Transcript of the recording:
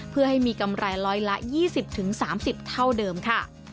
เพื่อให้มีกำไรร้อยละ๒๐๓๐เท่าเดิมค่ะ